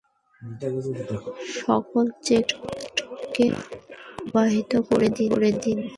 সকল চেকপোস্টকে অবহিত করে দিন।